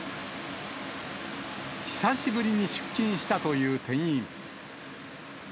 久しぶりに出勤したという店員。